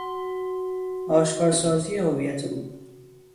آشکارسازی هویت او